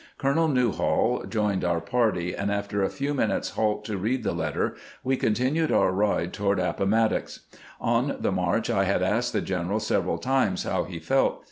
Colonel Newhall joined our party, and after a few minutes' halt to read the letter we continued our ride toward Appomattox. On the march I had asked the general several times how he felt.